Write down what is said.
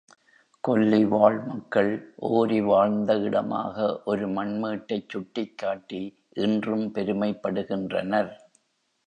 கொல்லிவாழ் மக்கள், ஓரி வாழ்ந்த இடமாக ஒரு மண்மேட்டைச் சுட்டிக் காட்டி இன்றும் பெருமைப்படுகின்றனர்.